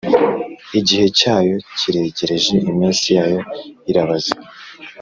Igihe cyayo kiregereje, iminsi yayo irabaze.